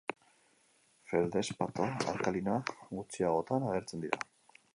Feldespato alkalinoak gutxiagotan agertzen dira.